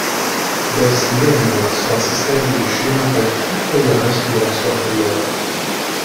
Bess divenne la sua assistente di scena per tutto il resto della sua carriera.